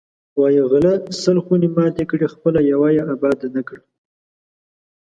وایی غله سل خونې ماتې کړې، خپله یوه یې اباده نه کړه.